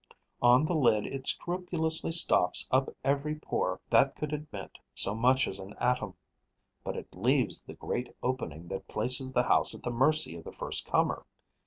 On the lid, it scrupulously stops up every pore that could admit so much as an atom; but it leaves the great opening that places the house at the mercy of the first comer.